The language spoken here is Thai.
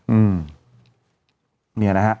อืมเนี่ยนะฮะ